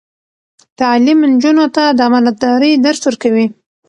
تعلیم نجونو ته د امانتدارۍ درس ورکوي.